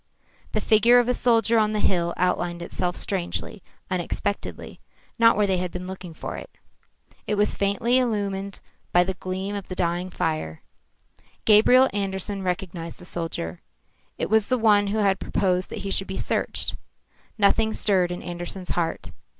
The figure of a soldier on the hill outlined itself strangely, unexpectedly, not where they had been looking for it. It was faintly illumined by the gleam from the dying fire. Gabriel Andersen recognised the soldier. It was the one who had proposed that he should be searched. Nothing stirred in Andersen's heart.